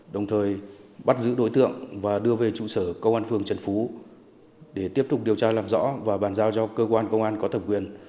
đồng thời bắt giữ đối tượng và đưa về trụ sở công an phường trần phú để tiếp tục điều tra làm rõ và bàn giao cho cơ quan công an có thẩm quyền